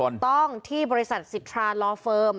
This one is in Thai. ต้องที่บริษัทสิทราลอเฟิร์ม